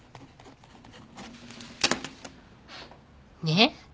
ねえ？